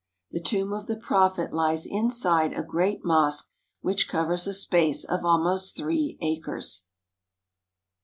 The tomb of the Prophet lies inside a great mosque, which covers a space of almost three acres.